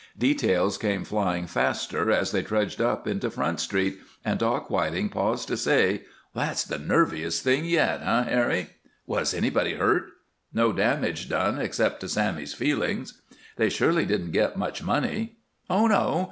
Details came flying faster as they trudged up into Front Street, and Doc Whiting paused to say: "That's the nerviest thing yet, eh, Harry?" "Was anybody hurt?" "No damage done except to Sammy's feelings." "They surely didn't get much money?" "Oh, no!